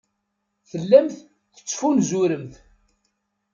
Tellamt tettfunzuremt.